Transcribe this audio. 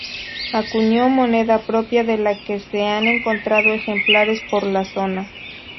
Acuñó moneda propia de la que se han encontrado ejemplares por la zona.